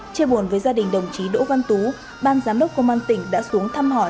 chê buồn với gia đình đồng chí đỗ văn tú ban giám đốc công an tỉnh đã xuống thăm hỏi